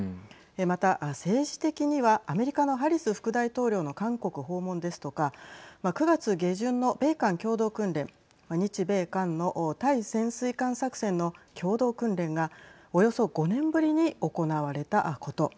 また、政治的にはアメリカのハリス副大統領の韓国訪問ですとか９月下旬の米韓共同訓練日米韓の対潜水艦作戦の共同訓練がおよそ５年ぶりに行われたこと。